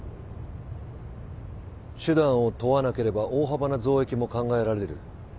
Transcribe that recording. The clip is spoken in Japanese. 手段を問わなければ大幅な増益も考えられる。